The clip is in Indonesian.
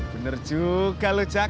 bener juga lo cak